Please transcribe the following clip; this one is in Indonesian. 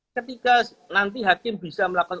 ketika nanti hakim bisa melakukan